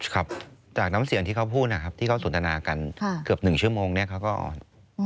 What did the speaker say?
ครับจากน้ำเสียงที่เขาพูดนะครับที่เขาสนทนากันเกือบ๑ชั่วโมงนี้เขาก็อ่อน